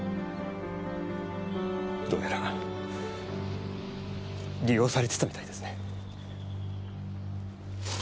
どうやら利用されてたみたいですね。